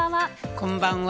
こんばんは。